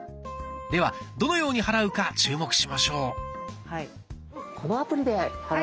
ではどのように払うか注目しましょう。